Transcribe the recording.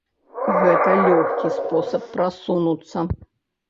Гэта лёгкі спосаб прасунуцца.